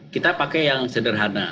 kita pakai yang sederhana